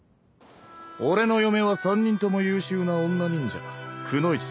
俺の嫁は３人とも優秀な女忍者くノ一だ。